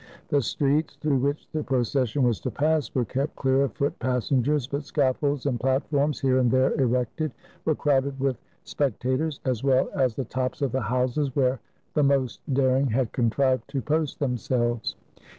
The streets through which the procession was to pass were kept clear of foot passengers, but scaffolds and plat forms, here and there erected, were crowded with spec tators, as well as the tops of the houses, where the most daring had contrived to post themselves.